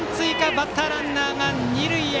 バッターランナーが二塁へ。